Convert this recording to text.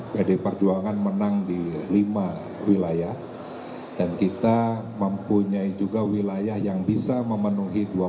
bd perjuangan menang dilima wilayah dan kita mempunyai juga wilayah yang bisa memenuhi dua puluh